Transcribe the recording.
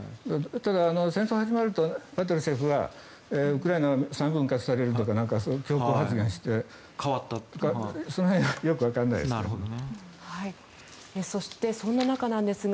戦争が始まるとパトルシェフはウクライナが３分割されるとか強硬発言してその辺はよくわからないですね。